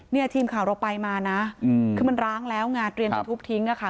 นี่อาทิตย์ข่าวเราไปมานะอืมคือมันร้างแล้วงานเรียนจากทูบทิ้งอะค่ะ